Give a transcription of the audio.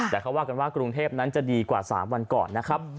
แต่เขาว่ากันว่ากรุงเทพนั้นจะดีกว่า๓วันก่อนนะครับ